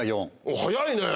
早いねぇ。